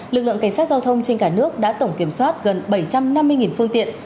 lực lượng cảnh sát giao thông trên cả nước đã tổng kiểm soát gần bảy trăm năm mươi phương tiện